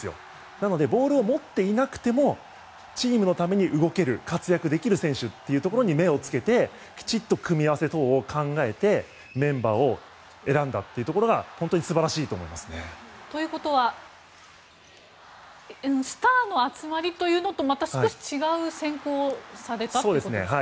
なのでボールを持っていなくてもチームのために動ける活躍できる選手に目をつけてきちんと組み合わせなどを考えてメンバーを選んだところが本当に素晴らしいと思いますね。ということはスターの集まりというのとはまた少し違う選考をされたということですか。